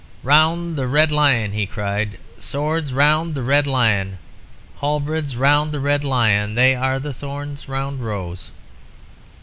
"'Round the Red Lion!' he cried. 'Swords round the Red Lion! Halberds round the Red Lion! They are the thorns round rose.'